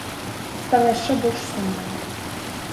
Стала яшчэ больш сумна.